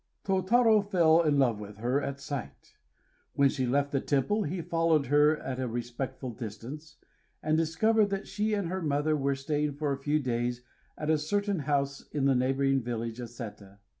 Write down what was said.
Tôtarô fell in love with her at sight. When she left the temple he followed her at a respectful distance, and discovered that she and her mother were staying for a few days at a certain house in the neighboring village of Séta.